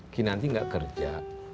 kinanti nggak kerja